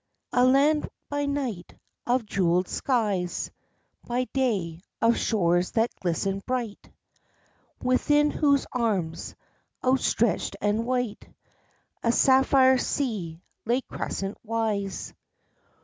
A land, by night, of jeweled skies, by day, of shores that glistened bright, Within whose arms, outstretched and white, a sapphire sea lay crescent wise.